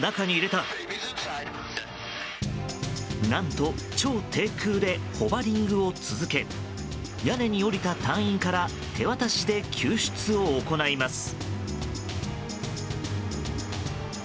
何と超低空でホバリングを続け屋根に降りた隊員から手渡しで救出を行います。